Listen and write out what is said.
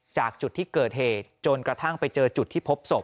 จากจุดที่เกิดเหตุจนกระทั่งไปเจอจุดที่พบศพ